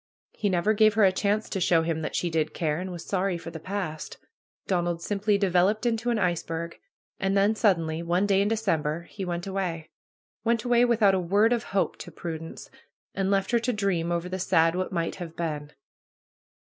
He never gave her a chance to show him that she did care, and was sorry for the past. Donald simply developed into an iceberg. And then suddenly, one day in December, he went away; went away without a word of hope to Prudence! And left her to dream over the sad What Might Have Been.